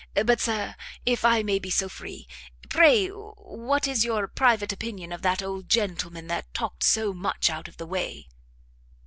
But, Sir, if I may be so free, pray what is your private opinion of that old gentleman that talked so much out of the way?"